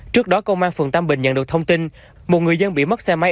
trước đó công an phường tam bình nhận được thông tin một người dân bị mất xe máy